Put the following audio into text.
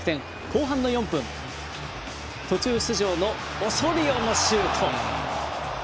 後半の４分途中出場のオソリオのシュート。